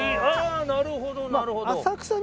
なるほどなるほど。